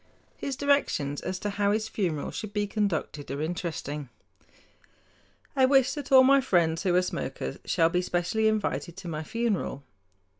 His directions as to how his funeral should be conducted are interesting: "I wish that all my friends who are smokers shall be specially invited to my funeral.